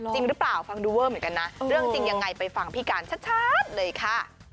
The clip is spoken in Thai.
จริงหรือเปล่าฟังดูเวอร์เหมือนกันนะเรื่องจริงยังไงไปฟังพี่การชัดเลยค่ะ